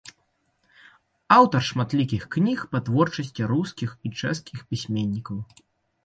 Аўтар шматлікіх кніг па творчасці рускіх і чэшскіх пісьменнікаў.